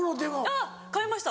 あっ買いました。